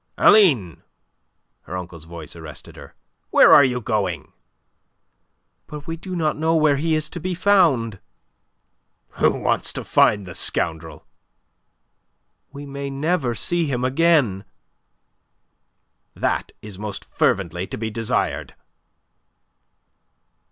"Aline!" her uncle's voice arrested her. "Where are you going?" "But we do not know where he is to be found." "Who wants to find the scoundrel?" "We may never see him again." "That is most fervently to be desired."